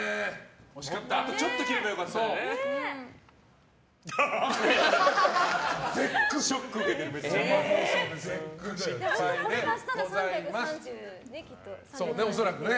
あとちょっと切ればよかったね。